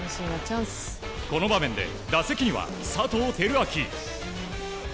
この場面で打席には佐藤輝明。